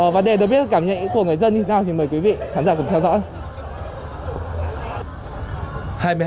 và để được biết cảm nhận của người dân như thế nào thì mời quý vị khán giả cùng theo dõi